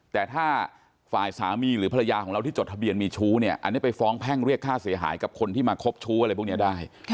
แต่ถ้าฝ่ายสามีหรือภรรยาของเราที่จดทะเบียนมีชู้เนี่ยอันนี้ไปฟ้องแพ่งเรียกค่าเสียหายกับคนที่มาคบชู้อะไรพวกนี้ได้